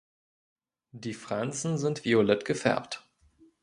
Die Fransen sind violett gefärbt.